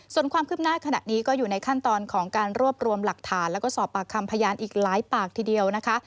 ส่วนความคืบหน้าขณะนี้ก็อยู่ในขั้นตอนของการรวบรวมหลักฐานแล้วก็สอบปากคำพยานอีกหลายปากทีเดียวนะคะ